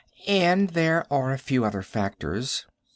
"And there are a few other factors.